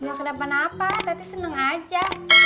nggak kenapa napa tati seneng aja